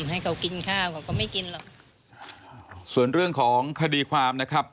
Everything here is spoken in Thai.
ให้เขากินข้าวเขาก็ไม่กินหรอกส่วนเรื่องของคดีความนะครับ